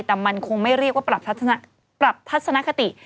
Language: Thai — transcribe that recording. แต่มันคงไม่เรียกว่าปรับทัศนคติ